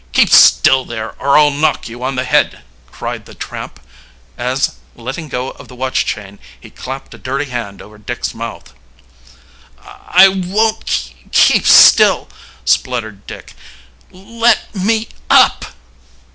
"Keep still there, or I'll knock you on the head!" cried the tramp, as, letting go of the watch chain, he clapped a dirty hand over Dick's mouth. "I won't kee keep still!" spluttered Dick. "Let me up!"